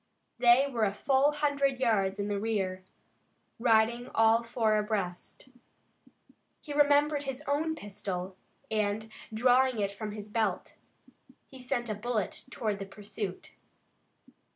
They were a full hundred yards in the rear, riding all four abreast. He remembered his own pistol, and, drawing it from his belt, he sent a bullet toward the pursuit.